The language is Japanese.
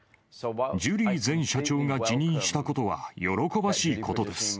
ジュリー前社長が辞任したことは喜ばしいことです。